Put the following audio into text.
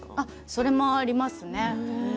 それもありますね。